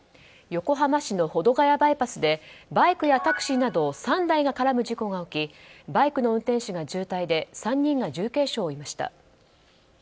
横浜市の保土ヶ谷バイパスでバイクやタクシーなど３台が絡む事故が起きバイクの運転手が重体で３人が重軽傷を負いました。